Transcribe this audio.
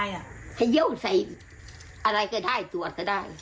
ให้เยี่ยวใส่อะไรก็ได้ตรวจก็ได้